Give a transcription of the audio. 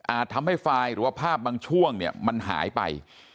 ทำให้ไฟล์หรือว่าภาพบางช่วงเนี่ยมันหายไป